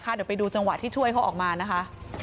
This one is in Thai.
เดี๋ยวไปดูจังหวะที่ช่วยเขาออกมานะคะ